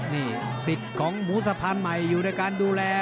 นี่สิทธิ์ของหมูสะพานใหม่อยู่ในการดูแล